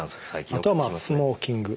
あとはスモーキング。